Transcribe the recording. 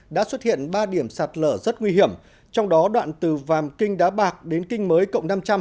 đã xuất hiện ba điểm sạt lở rất nguy hiểm trong đó đoạn từ vàm kinh đá bạc đến kinh mới cộng năm trăm linh